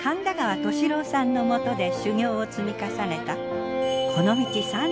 田川俊郎さんのもとで修業を積み重ねたこの道